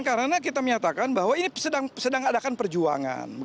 karena kita menyatakan bahwa ini sedang adakan perjuangan